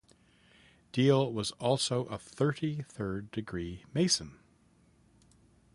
Diehl was also a thirty-third degree Mason.